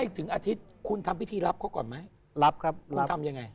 คุณจะทำพิธีแล้วให้แม่ย่ารับหรือยัง